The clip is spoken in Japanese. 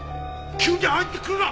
急に入ってくるな！